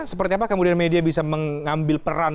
seperti apa kemudian media bisa mengambil peran